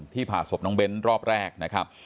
ที่ผ่าสบน้องเบ้นส์รอบแรกนะครับ